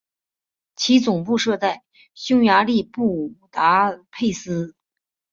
其总部设在匈牙利布达佩斯。